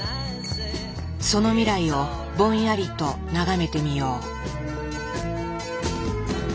その未来をぼんやりと眺めてみよう。